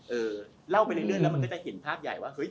เล่าไปเรื่อยแล้วมันก็จะเห็นภาพใหญ่ว่าเฮ้ย